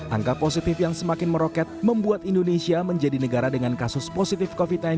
angka positif yang semakin meroket membuat indonesia menjadi negara dengan kasus positif covid sembilan belas